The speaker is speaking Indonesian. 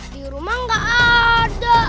di rumah gak ada